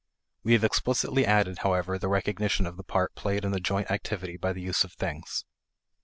We have explicitly added, however, the recognition of the part played in the joint activity by the use of things.